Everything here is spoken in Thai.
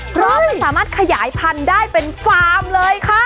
เพราะมันสามารถขยายพันธุ์ได้เป็นฟาร์มเลยค่ะ